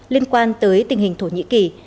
liên quan tới tình hình thổ nhĩ kỳ